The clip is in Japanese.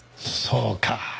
そうか。